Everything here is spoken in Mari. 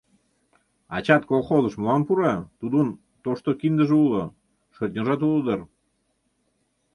Ачат колхозыш молан пура, тудын тошто киндыже уло, шӧртньыжат уло дыр...